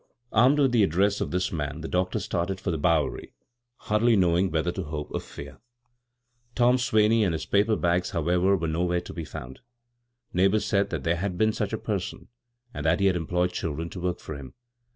Armed with the address of diis man the doctor started for the Bowery, hardly know ing whether to hope or fear. Tom Swaney and his paper bags, howevra', were nowhere to be found. Neighbors said that there had been such a person, and that he had employed children to work (or him.